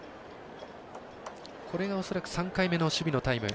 これが、恐らく３回目の守備のタイム。